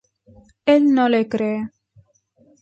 Él no le cree.